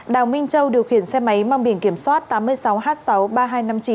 đào minh châu điều khiển xe máy mang biển kiểm soát tám mươi sáu h sáu